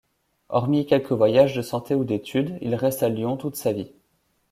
Hormis quelques voyages de santé ou d'études, il reste à Lyon toute sa vie.